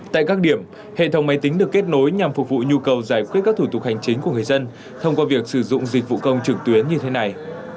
tại các điểm hệ thống máy tính được kết nối nhằm phục vụ nhu cầu giải quyết các thủ tục hành chính của người dân thông qua việc sử dụng dịch vụ công trực tuyến như thế này